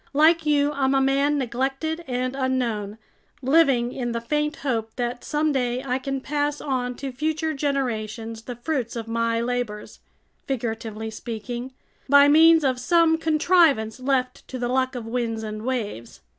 Like you, I'm a man neglected and unknown, living in the faint hope that someday I can pass on to future generations the fruits of my labors—figuratively speaking, by means of some contrivance left to the luck of winds and waves.